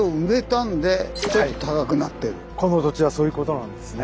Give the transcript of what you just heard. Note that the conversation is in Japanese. この土地はそういうことなんですね。